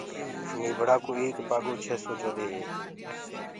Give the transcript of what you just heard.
نيٚڀڙآ ڪو ايڪ پآڳو ڇي سو چوڏي هي